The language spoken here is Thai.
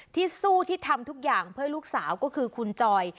ที่สู้ที่ทำทุกอย่างเพื่อลูกสาวก็คือคุณจอย